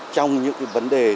trong những cái vấn đề